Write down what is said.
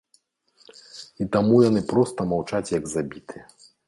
І таму яны проста маўчаць як забітыя.